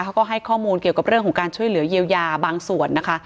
เขาก็ให้ข้อมูลเกี่ยวกับเรื่องของการช่วยเหลือเยียวยาบางส่วนนะคะ